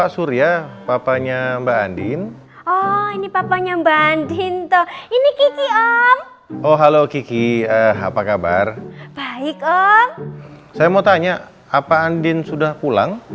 saya mau tanya apa andin sudah pulang